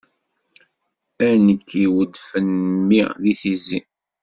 A nekk iweddfen mmi di tizi!